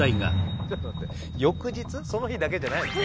その日だけじゃないの？